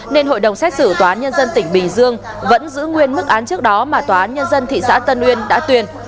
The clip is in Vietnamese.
nên hội đồng xét xử tòa án nhân dân tỉnh bình dương vẫn giữ nguyên mức án trước đó mà tòa án nhân dân thị xã tân uyên đã tuyên